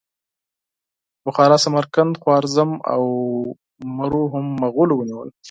بخارا، سمرقند، خوارزم او مرو هم مغولو ونیول.